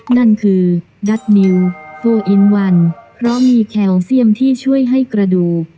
นั่นคือดัสนิวเพราะมีแคลเซียมที่ช่วยให้กระดูก